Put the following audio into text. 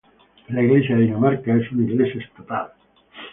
La Iglesia de Dinamarca es una Iglesia estatal.